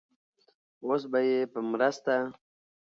اوس به يې په مرسته